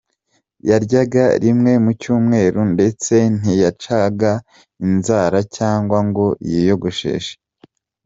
Yaryaga rimwe mu cyumweru ndetse ntiyacaga inzara cyangwa ngo yiyogosheshe.